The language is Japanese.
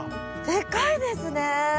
でかいですね。